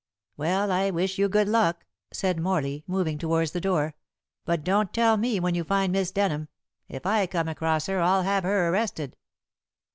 "Well, I wish you good luck," said Morley, moving towards the door; "but don't tell me when you find Miss Denham. If I come across her I'll have her arrested."